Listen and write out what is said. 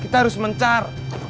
kita harus mencar